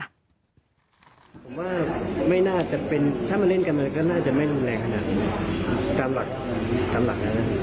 ผมว่าไม่น่าจะเป็นถ้ามันเล่นกันมันก็น่าจะไม่แรงขนาดการหลัก